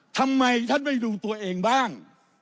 ทำไมท่านไม่ดูตัวเองบ้าง